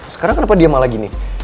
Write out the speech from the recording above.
sekarang kenapa dia malah gini